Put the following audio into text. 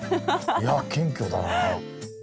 いや謙虚だなあ。